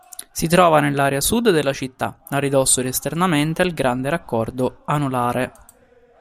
Si trova nell'area sud della città, a ridosso ed esternamente al Grande Raccordo Anulare.